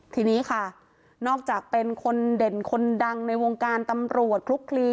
ทีนี้ค่ะนอกจากเป็นคนเด่นคนดังในวงการตำรวจคลุกคลี